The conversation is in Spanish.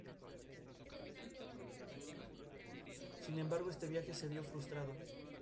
Armando y Viviana estaban prometidos, y viajaban en un crucero, el cual repentinamente naufragó.